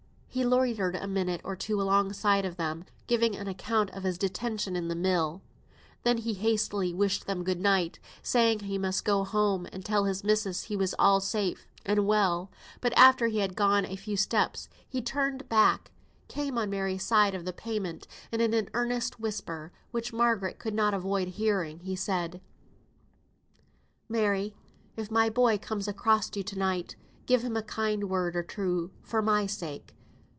He loitered a minute or two alongside of them, giving an account of his detention in the mill; he then hastily wished good night, saying he must go home and tell his missis he was all safe and well: but after he had gone a few steps, he turned back, came on Mary's side of the pavement, and in an earnest whisper, which Margaret could not avoid hearing, he said, "Mary, if my boy comes across you to night, give him a kind word or two for my sake.